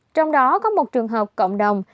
trong đó có một trường hợp cộng đồng